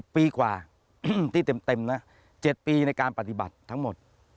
ปีกว่าที่เต็มนะ๗ปีในการปฏิบัติทั้งหมด